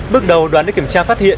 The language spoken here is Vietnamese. bước đầu đoán để kiểm tra phát hiện